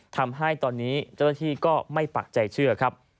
ทำให้ตอนนี้เจ้าหน้าที่ก็ไม่ปักใจเชื่อครับ